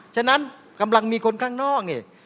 ฉะนั้นกำลังมีคนข้างนอกนี่